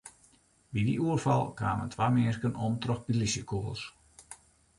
By dy oerfal kamen twa minsken om troch plysjekûgels.